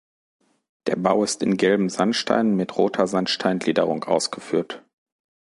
Der Bau ist in gelben Sandsteinen mit roter Sandsteingliederung ausgeführt.